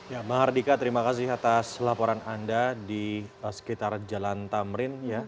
ya mahardika terima kasih atas laporan anda di sekitar jalan tamrin